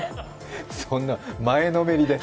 そんな、前のめりで。